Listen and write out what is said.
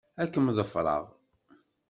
Ad kem-ḍefṛeɣ.